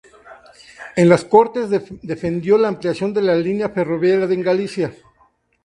En las Cortes defendió la ampliación de la línea ferroviaria en Galicia.